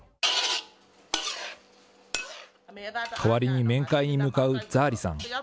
代わりに面会に向かうザー・リさん。